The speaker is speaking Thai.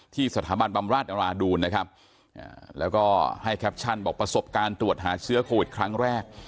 สถาบันบำราชนราดูนนะครับแล้วก็ให้แคปชั่นบอกประสบการณ์ตรวจหาเชื้อโควิดครั้งแรก